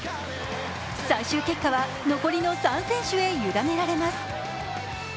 最終結果は残りの３選手へゆだねられます。